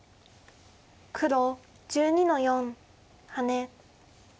黒１２の四ハネ。